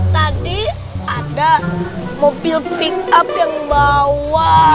tadi ada mobil pick up yang bawa